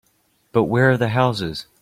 But where are the houses?